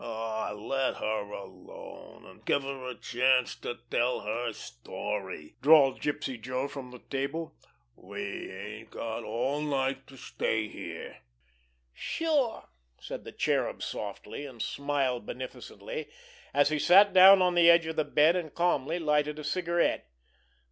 "Aw, let her alone, an' give her a chance to tell her story," drawled Gypsy Joe from the table. "We ain't got all night to stay here." "Sure!" said the Cherub softly, and smiled beneficently, as he sat down on the edge of the bed and calmly lighted a cigarette.